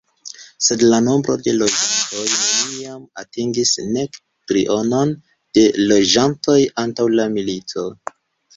Sed la nombro de loĝantoj neniam atingis nek trionon de loĝantoj antaŭ la milito.